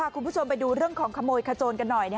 คุณผู้ชมไปดูเรื่องของขโมยขโจนกันหน่อย